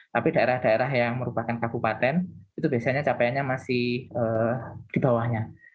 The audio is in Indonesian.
tapi daerah daerah yang merupakan kabupaten itu biasanya capaiannya masih di bawahnya